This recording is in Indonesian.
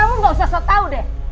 kamu gak usah so tau deh